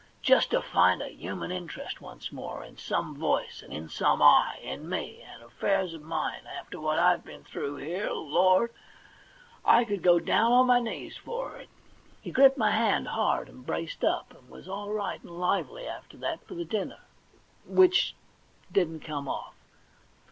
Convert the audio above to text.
Just to find a human interest once more, in some voice and in some eye, in me and affairs of mine, after what I've been through here — lord ! I could, go down on my knees for it !' 24 THE £1,000,000 BANK NOTE He gripped my hand hard, and braced up, and was all right and lively after that for the dinner — which didn't come off.